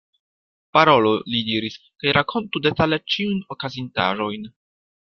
Parolu, li diris, kaj rakontu detale ĉiujn okazintaĵojn.